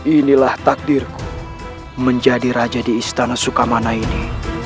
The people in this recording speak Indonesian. inilah takdirku menjadi raja di istana sukamana ini